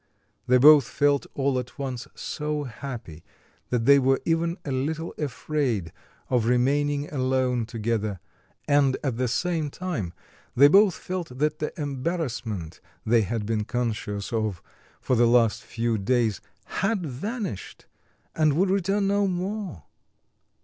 They both felt all at once so happy that they were even a little afraid of remaining alone together, and at the same time they both felt that the embarrassment they had been conscious of for the last few days had vanished, and would return no more.